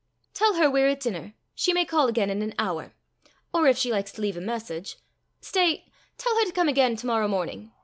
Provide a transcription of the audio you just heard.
"Tell her we're at dinner; she may call again in an hour. Or if she likes to leave a message Stay: tell her to come again to morrow morning.